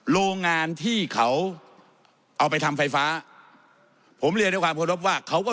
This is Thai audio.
โรงงานที่เขาเอาไปทำไฟฟ้าผมเรียนด้วยความเคารพว่าเขาก็